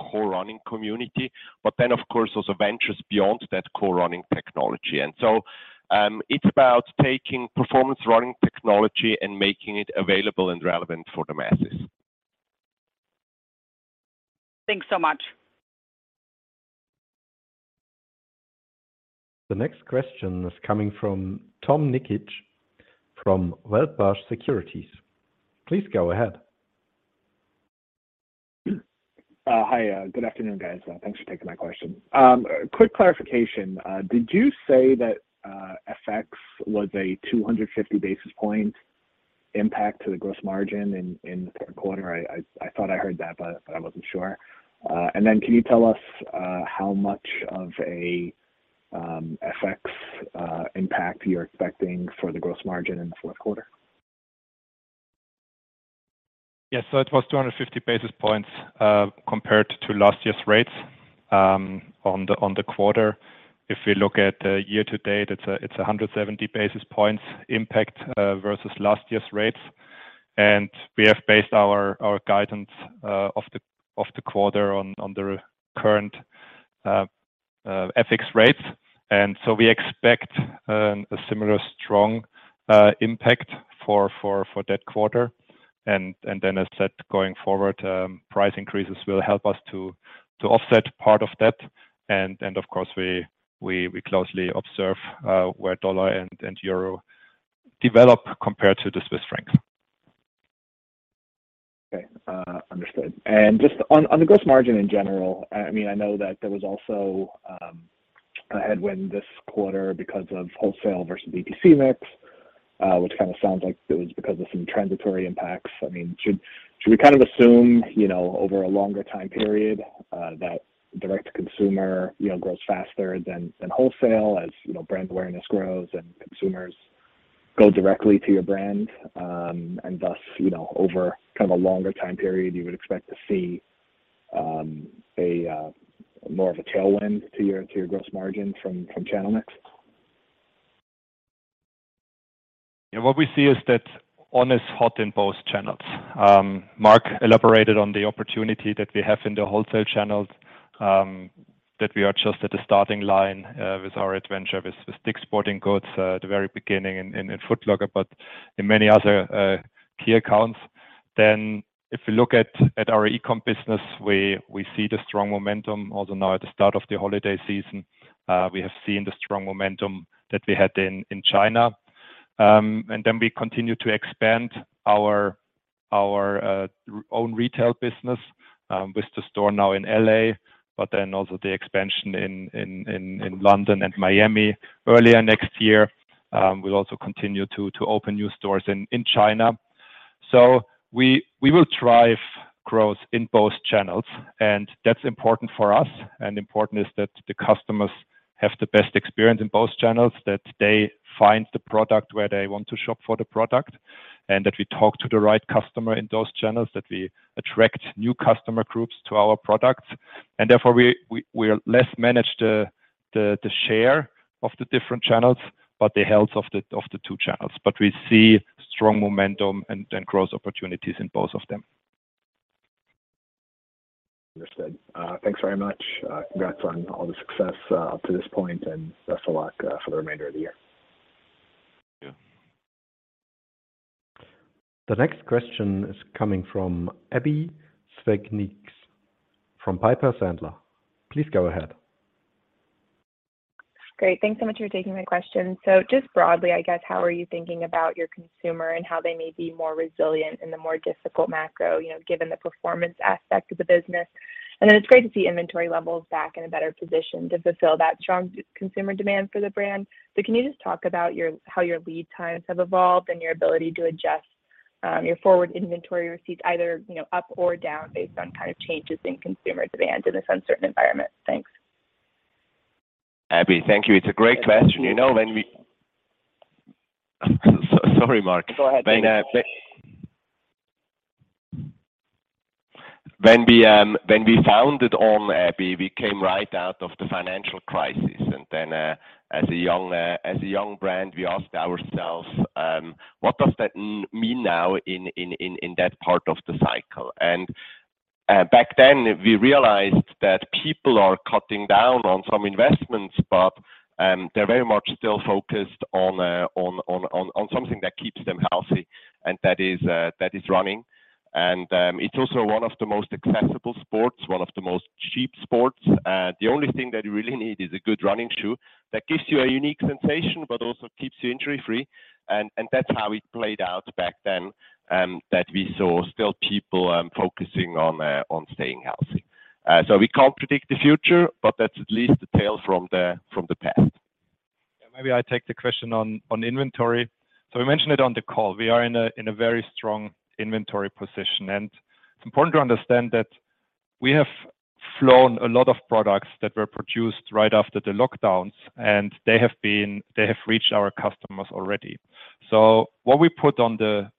core running community. Of course, also ventures beyond that core running technology. It's about taking performance running technology and making it available and relevant for the masses. Thanks so much. The next question is coming from Tom Nikic from Wedbush Securities. Please go ahead. Hi. Good afternoon, guys. Thanks for taking my question. Quick clarification. Did you say that FX was a 250 basis point impact to the gross margin in the third quarter? I thought I heard that, but I wasn't sure. Can you tell us how much of a FX impact you're expecting for the gross margin in the fourth quarter? Yes. It was 250 basis points compared to last year's rates on the quarter. If we look at year-to-date, it's a 170 basis points impact versus last year's rates. We have based our guidance of the quarter on the current FX rates. We expect a similar strong impact for that quarter. As said, going forward, price increases will help us to offset part of that. Of course, we closely observe where the dollar and the euro develop compared to the Swiss franc. Okay. Understood. Just on the gross margin in general, I mean, I know that there was also a headwind this quarter because of wholesale versus DTC mix, which kind of sounds like it was because of some transitory impacts. I mean, should we kind of assume, you know, over a longer time period, that direct to consumer, you know, grows faster than wholesale as, you know, brand awareness grows and consumers go directly to your brand. Thus, you know, over kind of a longer time period, you would expect to see more of a tailwind to your gross margin from channel mix. Yeah. What we see is that On is hot in both channels. Mar elaborated on the opportunity that we have in the wholesale channels, that we are just at the starting line with our adventure with DICK'S Sporting Goods, at the very beginning in Foot Locker. In many other key accounts, then if you look at our e-com business, we see the strong momentum also now at the start of the holiday season. We have seen the strong momentum that we had in China. We continue to expand our own retail business with the store now in L.A., but then also the expansion in London and Miami. Earlier next year, we'll also continue to open new stores in China. We will drive growth in both channels, and that's important for us. Important is that the customers have the best experience in both channels, that they find the product where they want to shop for the product, and that we talk to the right customer in those channels, that we attract new customer groups to our products. Therefore we less manage the share of the different channels, but the health of the two channels. We see strong momentum and growth opportunities in both of them. Understood. Thanks very much. Congrats on all the success up to this point, and best of luck for the remainder of the year. Yeah. The next question is coming from Abbie Zvejnieks from Piper Sandler. Please go ahead. Great. Thanks so much for taking my question. So just broadly, I guess, how are you thinking about your consumer and how they may be more resilient in the more difficult macro, you know, given the performance aspect of the business? Then it's great to see inventory levels back in a better position to fulfill that strong consumer demand for the brand. So can you just talk about how your lead times have evolved and your ability to adjust your forward inventory receipts either, you know, up or down based on kind of changes in consumer demand in this uncertain environment? Thanks. Abby, thank you. It's a great question. You know, sorry, Marc. Go ahead. When we founded On, Abby, we came right out of the financial crisis. As a young brand, we asked ourselves, what does that mean now in that part of the cycle? Back then, we realized that people are cutting down on some investments, but they're very much still focused on something that keeps them healthy, and that is running. It's also one of the most accessible sports, one of the most cheap sports. The only thing that you really need is a good running shoe that gives you a unique sensation but also keeps you injury-free. That's how it played out back then, that we saw still people focusing on staying healthy. We can't predict the future, but that's at least the tale from the past. Maybe I take the question on inventory. We mentioned it on the call. We are in a very strong inventory position, and it's important to understand that we have flown a lot of products that were produced right after the lockdowns, and they have reached our customers already. What we put on the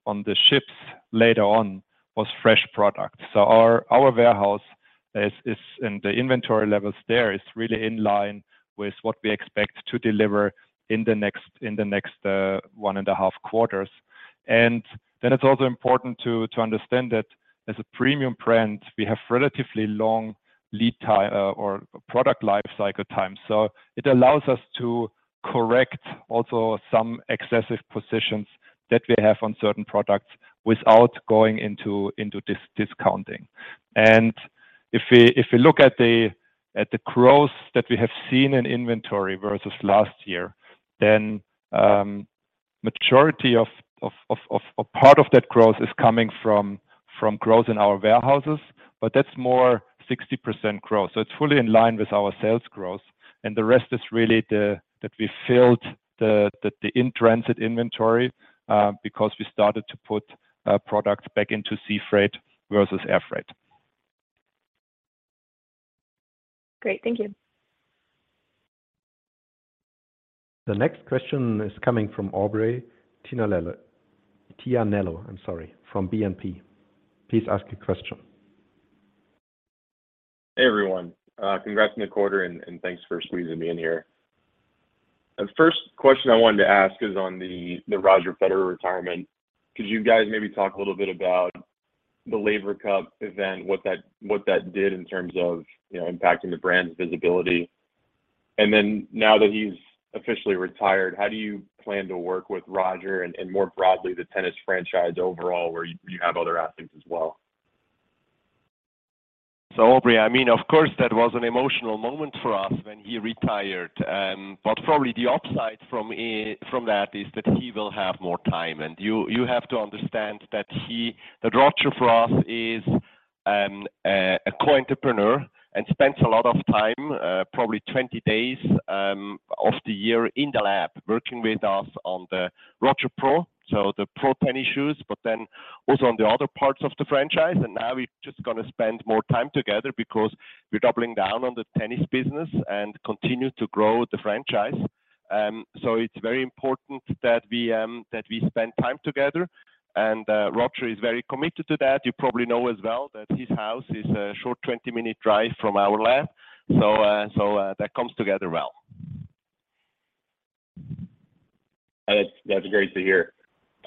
ships later on was fresh product. Our warehouse is. The inventory levels there is really in line with what we expect to deliver in the next one and a half quarters. It's also important to understand that as a premium brand, we have relatively long lead time or product life cycle time. It allows us to correct also some excessive positions that we have on certain products without going into discounting. If we look at the growth that we have seen in inventory versus last year, majority of or part of that growth is coming from growth in our warehouses, but that's more 60% growth. It's fully in line with our sales growth. The rest is really that we filled the in-transit inventory because we started to put product back into sea freight versus air freight. Great. Thank you. The next question is coming from Aubrey Tianello, I'm sorry, from BNP. Please ask your question. Hey, everyone. Congrats on the quarter and thanks for squeezing me in here. The first question I wanted to ask is on the Roger Federer retirement. Could you guys maybe talk a little bit about the Laver Cup event, what that did in terms of, you know, impacting the brand's visibility? Now that he's officially retired, how do you plan to work with Roger and more broadly, the tennis franchise overall, where you have other athletes as well? Aubrey, I mean, of course, that was an emotional moment for us when he retired. Probably the upside from that is that he will have more time. You have to understand that he that Roger, for us, is a co-entrepreneur and spends a lot of time, probably 20 days of the year in the lab working with us on THE ROGER Pro, so the pro tennis shoes, but then also on the other parts of the franchise. Now we're just gonna spend more time together because we're doubling down on the tennis business and continue to grow the franchise. It's very important that we that we spend time together, and Roger is very committed to that. You probably know as well that his house is a short 20-minute drive from our lab. That comes together well. That's great to hear.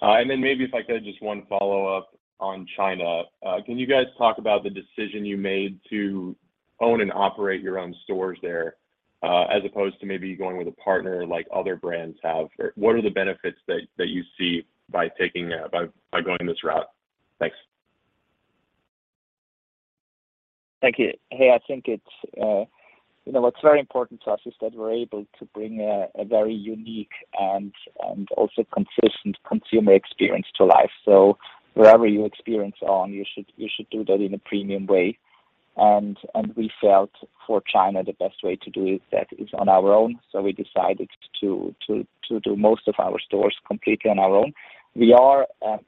Maybe if I could just one follow-up on China. Can you guys talk about the decision you made to own and operate your own stores there, as opposed to maybe going with a partner like other brands have? What are the benefits that you see by going this route? Thanks. Thank you. Hey, I think what's very important to us is that we're able to bring a very unique and also consistent consumer experience to life. Wherever you experience On, you should do that in a premium way. We felt for China, the best way to do that is on our own. We decided to do most of our stores completely on our own. We are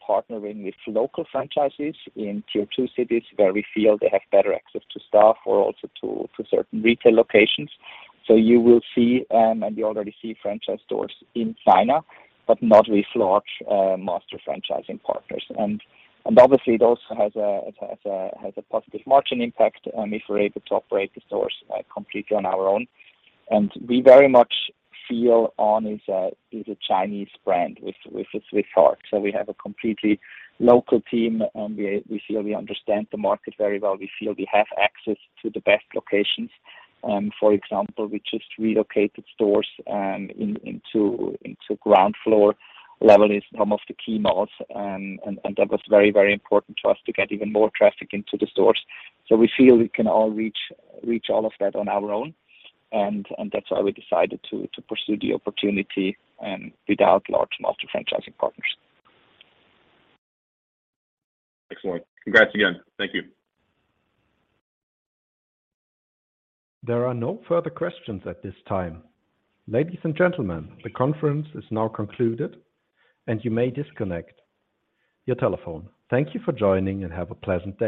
partnering with local franchises in tier two cities where we feel they have better access to staff or also to certain retail locations. You will see, and you already see franchise stores in China, but not with large master franchising partners. Obviously, those has a positive margin impact if we're able to operate the stores completely on our own. We very much feel On is a Chinese brand with a Swiss heart. We have a completely local team, and we feel we understand the market very well. We feel we have access to the best locations. For example, we just relocated stores into ground floor level in almost a key mall. That was very important to us to get even more traffic into the stores. We feel we can all reach all of that on our own. That's why we decided to pursue the opportunity without large multi-franchising partners. Excellent. Congrats again. Thank you. There are no further questions at this time. Ladies and gentlemen, the conference is now concluded, and you may disconnect your telephone. Thank you for joining and have a pleasant day.